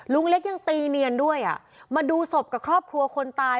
ลุงเล็กยังตีเนียนด้วยอ่ะมาดูศพกับครอบครัวคนตาย